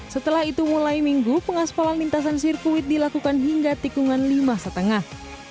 setelah itu mulai minggu pengaspalan lintasan sirkuit dilakukan hingga tikungan lima lima